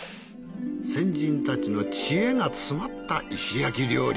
先人たちの知恵が詰まった石焼き料理。